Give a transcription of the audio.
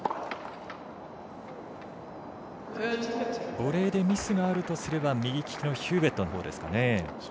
ボレーでミスがあるとすれば右利きのヒューウェットのほうですかね。